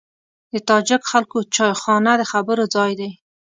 د تاجک خلکو چایخانه د خبرو ځای دی.